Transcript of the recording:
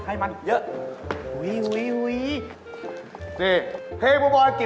อ้าวแบบไหนถูกค่ะ